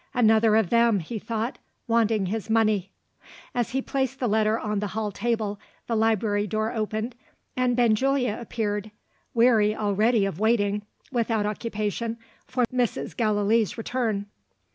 "Another of them," he thought, "wanting his money." As he placed the letter on the hall table, the library door opened, and Benjulia appeared weary already of waiting, without occupation, for Mrs. Gallilee's return.